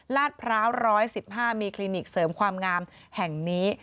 พร้าว๑๑๕มีคลินิกเสริมความงามแห่งนี้